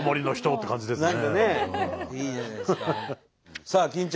何かねいいじゃないですか。